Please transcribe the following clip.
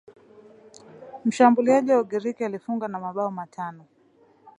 mshambuliaji wa ugiriki alifunga na mabao matano